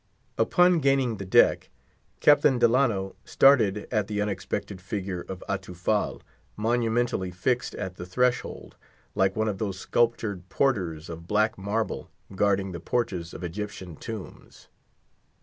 Upon gaining the deck, Captain Delano started at the unexpected figure of Atufal, monumentally fixed at the threshold, like one of those sculptured porters of black marble guarding the porches of Egyptian tombs.